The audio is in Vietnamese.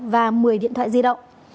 và một mươi điện thoại di động